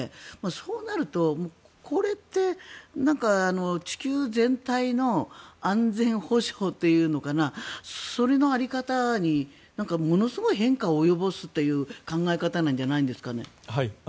そうなると、これって地球全体の安全保障というのかなそれの在り方にものすごい変化を及ぼすという考え方なんじゃないですかね。